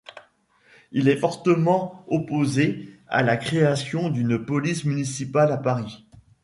Il est fortement opposé à la création d'une police municipale à Paris.